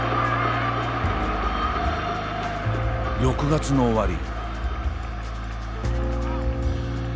６月の終わり。